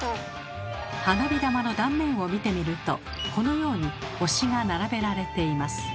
花火玉の断面を見てみるとこのように星が並べられています。